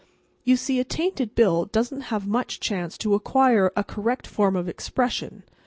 You see, a tainted bill doesn't have much chance to acquire a correct form of expression.